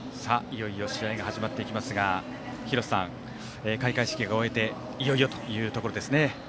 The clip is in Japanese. いよいよ試合が始まっていきますが廣瀬さん、開会式を終えていよいよというところですね。